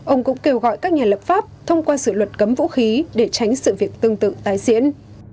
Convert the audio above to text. ông cũng kêu gọi các nhà lập pháp thông qua sự luật cấm vũ khí để tránh sự việc tương tự tái diễn